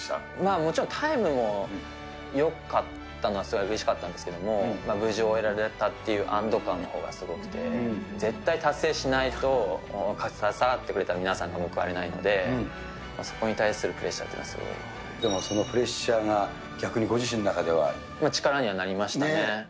もちろんタイムもよかったのはすごいうれしかったんですけれども、無事終えられたっていう安ど感のほうがすごくて、絶対達成しないと、携わってくれた皆さんが報われないので、そこに対するプレッシャでもプレッシャーが、逆にご力にはなりましたね。